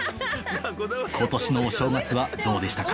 今年のお正月はどうでしたか？